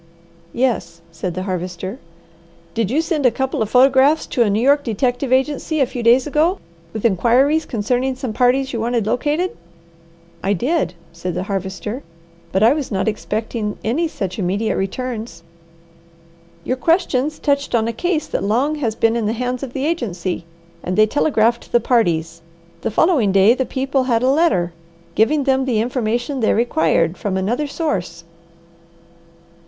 "Yes," said the Harvester. "Did you send a couple of photographs to a New York detective agency a few days ago with inquiries concerning some parties you wanted located?" "I did," said the Harvester. "But I was not expecting any such immediate returns." "Your questions touched on a case that long has been in the hands of the agency, and they telegraphed the parties. The following day the people had a letter, giving them the information they required, from another source."